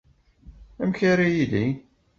Amek ara yili?